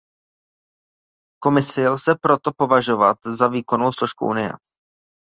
Komisi lze proto považovat za výkonnou složku Unie.